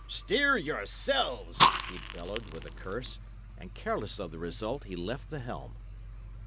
"Steer yourselves," he bellowed, with a curse; and, careless of the result, he left the helm.